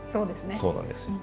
そうなんですよ。